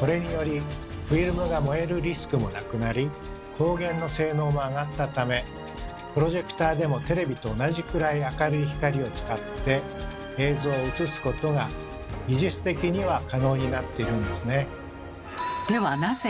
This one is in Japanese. これによりフィルムが燃えるリスクもなくなり光源の性能も上がったためプロジェクターでもテレビと同じくらい明るい光を使って映像を映すことが技術的には可能になっているんですね。